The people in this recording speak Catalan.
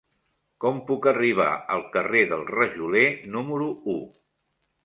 Com puc arribar al carrer del Rajoler número u?